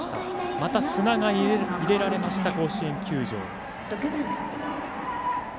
また砂が入れられた甲子園球場。